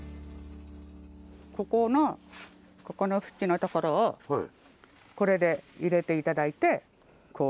ここのここのふちのところをこれで入れて頂いてこう。